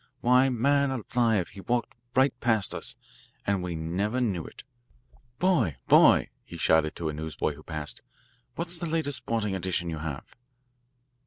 Why, man alive, he walked right past us, and we never knew it. Boy, boy," he shouted to a newsboy who passed, "what's the latest sporting edition you have?"